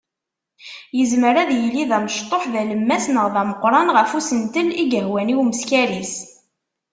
Yezmer ad yili d amecṭuḥ, d alemmas neɣ d ameqqran ɣef usentel i yehwan i umeskar-is.